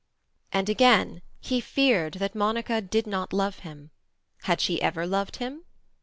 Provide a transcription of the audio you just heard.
And again, he feared that Monica did not love him. Had she ever loved him?